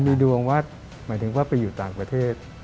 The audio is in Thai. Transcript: มีดวงว่าหมายถึงว่าไปอยู่ต่างประเทศ